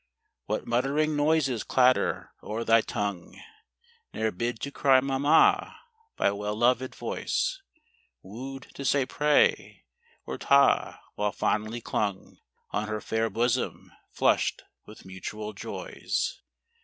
What muttering noises clatter o'er thy tongue; Ne'er bid to cry mamma, by well loved voice; Wooed to say pray, or taa, while fondly clung On her fair bosom, flushed with mutual joys.